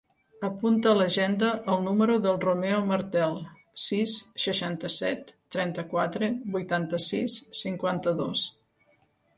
Apunta a l'agenda el número del Romeo Martel: sis, seixanta-set, trenta-quatre, vuitanta-sis, cinquanta-dos.